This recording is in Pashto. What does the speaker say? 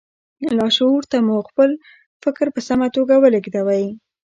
لاشعور ته مو خپل فکر په سمه توګه ولېږدوئ